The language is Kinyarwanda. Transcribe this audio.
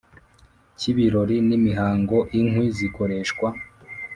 Cy ibirori n imihango inkwi zikoreshwa